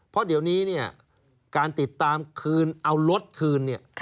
เพราะเดี๋ยวนี้เนี่ยการติดตามคืนเอารถคืนเนี่ย